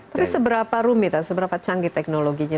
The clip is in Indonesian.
tapi seberapa rumit seberapa canggih teknologinya